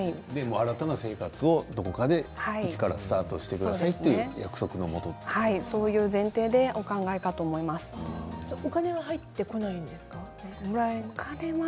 新たな生活をどこかで一からスタートしてくださいそういう前提でのお金は入ってこないんですか？